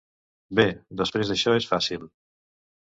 Bé, després d'això és fàcil.